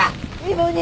芋煮！